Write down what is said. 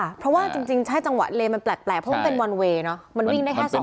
เพราะว่าจริงใช่จังหวะเลมันแปลกเพราะมันเป็นวันเวย์เนอะมันวิ่งได้แค่สอง